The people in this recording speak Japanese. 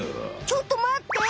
ちょっとまって！